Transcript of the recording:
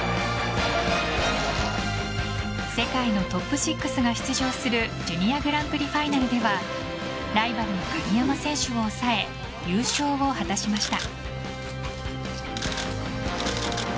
世界のトップ６が出場するジュニアグランプリファイナルではライバルの鍵山選手を抑え優勝を果たしました。